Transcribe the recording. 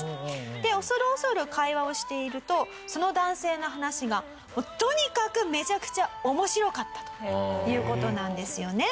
で恐る恐る会話をしているとその男性の話がとにかくめちゃくちゃ面白かったという事なんですよね。